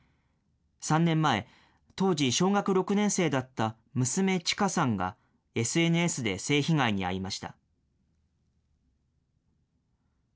３年前、当時小学６年生だった娘、ちかさんが、ＳＮＳで性被害に遭いました。